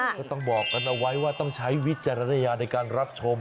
ก็ต้องบอกกันเอาไว้ว่าต้องใช้วิจารณญาณในการรับชม